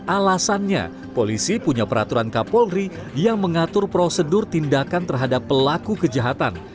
alasannya polisi punya peraturan kapolri yang mengatur prosedur tindakan terhadap pelaku kejahatan